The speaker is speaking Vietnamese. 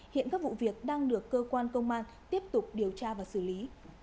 hiện các vụ việc đang được cơ quan công an tiếp tục điều tra và xử lý